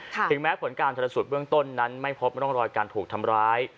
ถึงแม้ผลการชนสูตรเบื้องต้นนั้นไม่พบร่องรอยการถูกทำร้าย